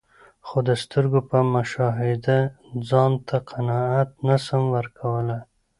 خو د سترګو په مشاهده ځانته قناعت نسم ورکول لای.